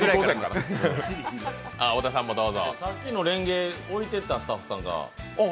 さっきのれんげ、置いていった、スタッフさんが。